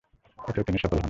এতেও তিনি সফল হন।